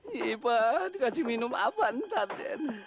iya ipa dikasih minum apa ntar den